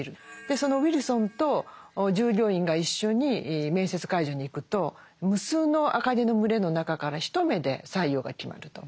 そのウィルソンと従業員が一緒に面接会場に行くと無数の赤毛の群れの中から一目で採用が決まると。